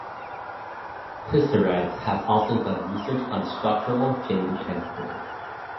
Pissarides has also done research on structural change and growth.